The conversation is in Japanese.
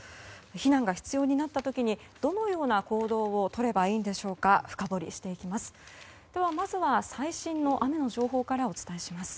避難が必要になった時にどのような行動をとればいいのか深掘りしていきます。